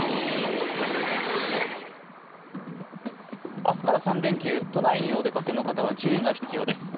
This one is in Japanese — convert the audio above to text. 明日から３連休、都内にお出かけの方は注意が必要です。